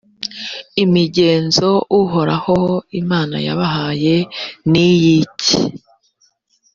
imigenzo uhoraho imana yabahaye niy’iki?